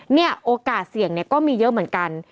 เนี่ยโอกาสเสี่ยงเนี่ยก็มีเยอะเหมือนกัน